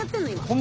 今。